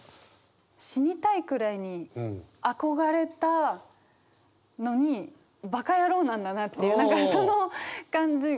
「死にたいくらいに憧れた」のに「バカヤロー」なんだなっていう何かその感じ。